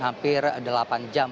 hampir delapan jam